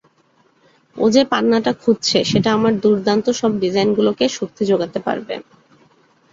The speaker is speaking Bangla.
ও যে পান্নাটা খুঁজছে সেটা আমার দুর্দান্ত সব ডিজাইনগুলোকে শক্তি জোগাতে পারে।